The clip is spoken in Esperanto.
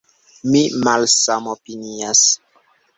Mi malsamopinias.